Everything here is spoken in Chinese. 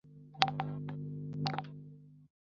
贝尔卡塔尔是德国黑森州的一个市镇。